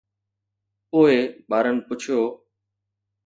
پوءِ ٻارن پڇيو